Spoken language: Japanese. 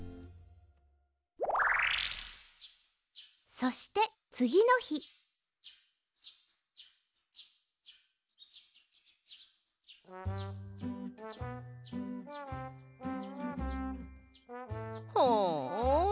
そしてつぎのひはあ。